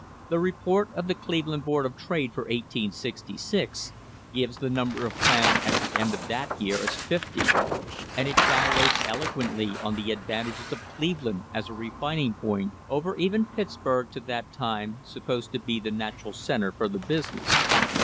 The report of the Cleveland Board of Trade for 1866 gives the number of plants at the end of that year as fifty, and it dilates eloquently on the advantages of Cleveland as a refining point over even Pitts burg, to that time supposed to be the natural centre for the business.